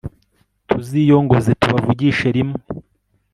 tuziyongoze tubavugishe rimwe